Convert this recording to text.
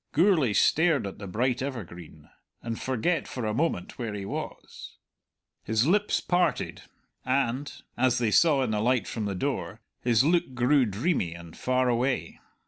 Gourlay stared at the bright evergreen, and forget for a moment where he was. His lips parted, and as they saw in the light from the door his look grew dreamy and far away.